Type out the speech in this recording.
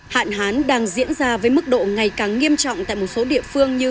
hạn hán đang diễn ra với mức độ ngày càng nghiêm trọng tại một số địa phương như